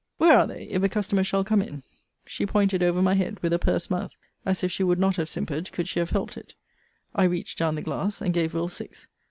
Where are they, if a customer shall come in? She pointed over my head, with a purse mouth, as if she would not have simpered, could she have helped it. I reached down the glass, and gave Will. six.